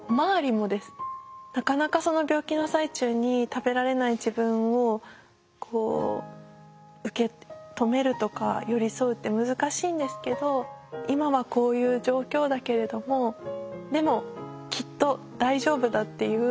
なかなかその病気の最中に食べられない自分を受け止めるとか寄り添うって難しいんですけど今はこういう状況だけれどもでもきっと大丈夫だっていう